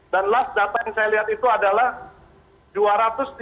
dan data terakhir yang saya lihat itu adalah dua ratus lima puluh feet